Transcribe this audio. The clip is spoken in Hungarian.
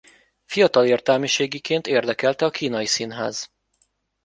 Fiatal értelmiségiként érdekelte a kínai színház.